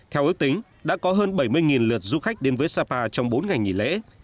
theo ước tính đã có hơn bảy mươi lượt du khách đến với sapa trong bốn ngày nghỉ lễ